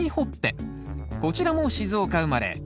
こちらも静岡生まれ。